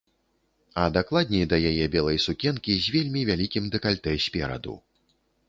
А дакладней, да яе белай сукенкі з вельмі вялікім дэкальтэ спераду.